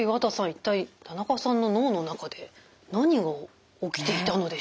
一体田中さんの脳の中で何が起きていたのでしょうか？